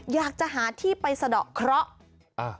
อยากจะหาที่ไปสะดอกเคราะห์